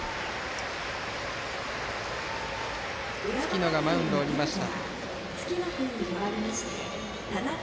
月野がマウンドを降りました。